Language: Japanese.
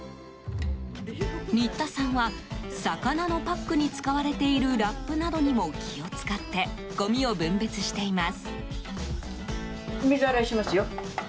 新田さんは、魚のパックに使われているラップなどにも気を使ってごみを分別しています。